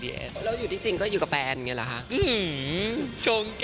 แล้วอยู่ที่จริงก็อยู่กับแฟนอย่างนี้เหรอคะ